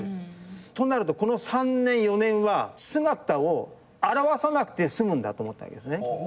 となるとこの３年４年は姿を現さなくて済むんだと思ったわけですね。